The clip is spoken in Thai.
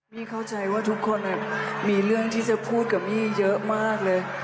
มี่เข้าใจว่าทุกคนมีเรื่องที่จะพูดกับมี่เยอะมากเลย